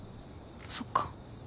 そっか。